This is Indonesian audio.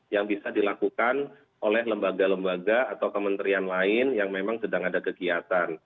yang bisa dilakukan oleh lembaga lembaga atau kementerian lain yang memang sedang ada kegiatan